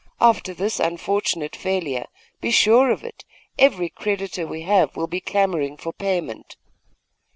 After this unfortunate failure, be sure of it, every creditor we have will be clamouring for payment.